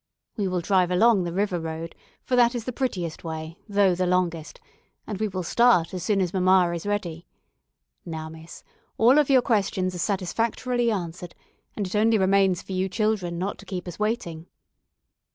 "We will drive along the river road, for that is the prettiest way, though the longest, and we will start as soon as mamma is ready. Now, miss, all of your questions are satisfactorily answered, and it only remains for you children not to keep us waiting."